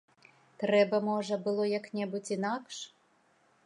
Трэба, можа, было як-небудзь інакш.